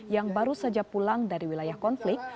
yang baru saja pulang dari wilayah konflik